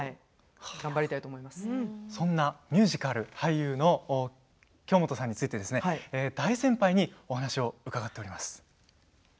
そんなミュージカル俳優の京本さんについて大先輩にお話を伺っています。